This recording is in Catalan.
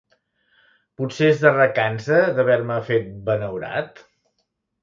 Potser és de recança d'haver-me fet benaurat?